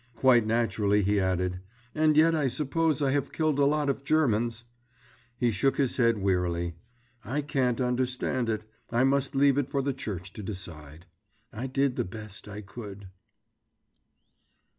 Quite naturally he added: "And yet I suppose I have killed a lot of Germans." He shook his head wearily. "I can't understand it. I must leave it for the church to decide. I did the best I could...."